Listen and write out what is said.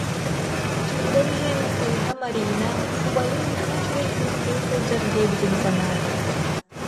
Киирэн иһэн кыыһа Марина убайым наһаа үчүгэй кыыстыын сылдьар диэбитин санаата